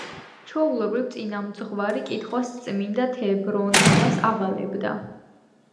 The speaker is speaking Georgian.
ჩვეულებრივ, წინამძღვარი კითხვას წმინდა თებრონიას ავალებდა.